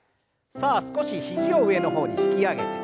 さあ少し肘を上の方に引き上げて。